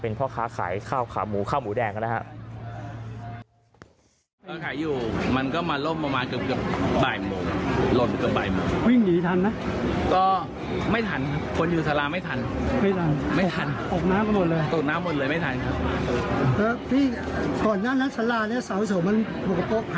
พ่อค้าขายข้าวขาหมูข้าวหมูแดงนะครับ